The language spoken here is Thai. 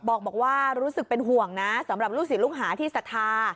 บอกว่ารู้สึกเป็นห่วงนะสำหรับลูกศิษย์ลูกหาที่ศรัทธา